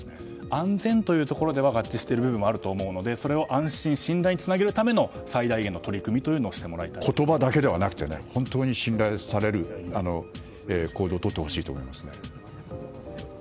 安全というところでは合致している部分はあると思うので、それを安心・安全につなげるための最大限の言葉だけではなくて本当に信頼される行動をとってほしいと思います。